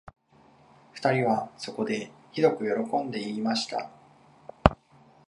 二人はそこで、ひどくよろこんで言いました